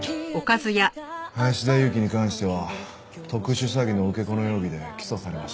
林田裕紀に関しては特殊詐欺の受け子の容疑で起訴されました。